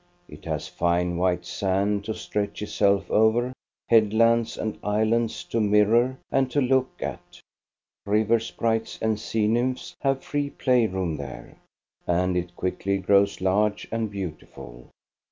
It has fine white sand to stretch itself over, headlands and islands to mirror and to look at, river sprites and sea nymphs have free play room there, and it quickly grows large and beautiful.